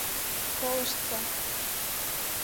Колыштса...